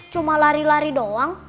cuma lari lari doang